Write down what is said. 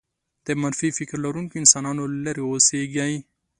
د منفي فكر لرونکو انسانانو لرې اوسېږئ.